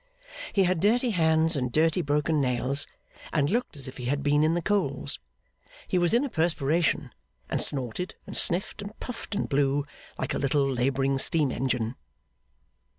He had dirty hands and dirty broken nails, and looked as if he had been in the coals; he was in a perspiration, and snorted and sniffed and puffed and blew, like a little labouring steam engine.